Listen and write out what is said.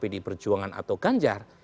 pd perjuangan atau ganjar